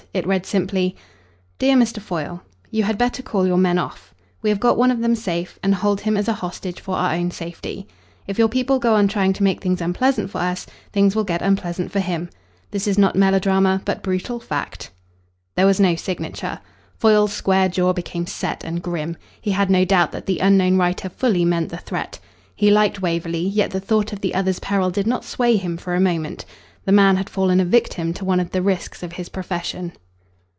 It read simply "DEAR MR. FOYLE, You had better call your men off. We have got one of them safe, and hold him as a hostage for our own safety. If your people go on trying to make things unpleasant for us, things will get unpleasant for him. This is not melodrama, but brutal fact." There was no signature. Foyle's square jaw became set and grim. He had no doubt that the unknown writer fully meant the threat. He liked Waverley, yet the thought of the other's peril did not sway him for a moment. The man had fallen a victim to one of the risks of his profession.